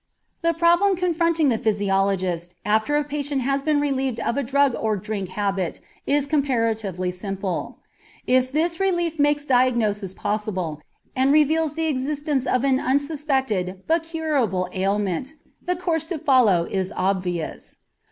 The problem confronting the physiologist after a patient has been relieved of a drug or drink habit is comparatively simple. If this relief makes diagnosis possible and reveals the existence of an unsuspected, but curable, ailment, the course to follow is obvious.